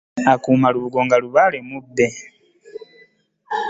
Akuuma lubugo nga lubaale mubbe.